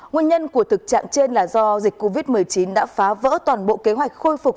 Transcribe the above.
nguyên nhân của thực trạng trên là do dịch covid một mươi chín đã phá vỡ toàn bộ kế hoạch khôi phục